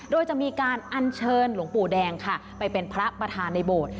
โดยจะมีการอัญเชิญหลวงปู่แดงค่ะไปเป็นพระประธานในโบสถ์